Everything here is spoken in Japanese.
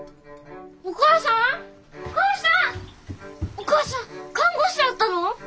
お母さん看護師だったの？